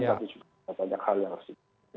tapi juga banyak hal yang harus di